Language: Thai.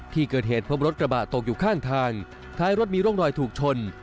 ที่เกิดเหตุพบรถกระบะตกอยู่ข้างทางท้ายรถมีร่องรอยถูกชน